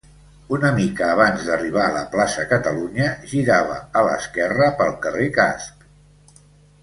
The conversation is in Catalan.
Una mica abans d'arribar a la plaça Catalunya girava a l'esquerra pel Carrer Casp.